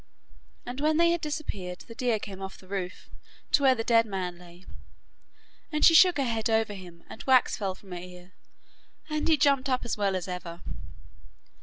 And when they had disappeared the deer came off the roof, to where the dead man lay, and she shook her head over him, and wax fell from her ear, and he jumped up as well as ever.